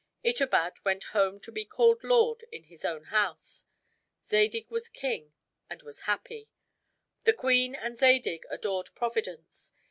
Itobad went home to be called lord in his own house. Zadig was king, and was happy. The queen and Zadig adored Providence.